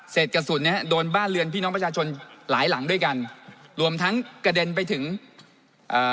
กระสุนเนี้ยโดนบ้านเรือนพี่น้องประชาชนหลายหลังด้วยกันรวมทั้งกระเด็นไปถึงเอ่อ